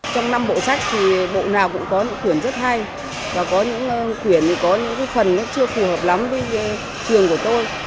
trong năm bộ sách thì bộ nào cũng có những khuyển rất hay và có những khuyển có những phần chưa phù hợp lắm với trường của tôi